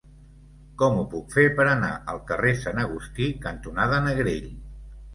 Com ho puc fer per anar al carrer Sant Agustí cantonada Negrell?